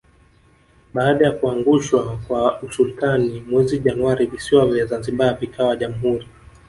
Baada ya kuangushwa kwa usultani mwezi Januari visiwa vya zanzibar vikawa Jamhuri